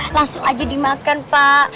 langsung aja dimakan pak